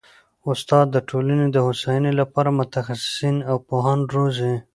استاد د ټولني د هوسايني لپاره متخصصین او پوهان روزي.